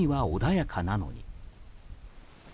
海は穏やかなのに。